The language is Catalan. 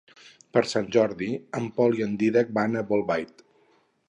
Per Sant Jordi en Pol i en Dídac van a Bolbait.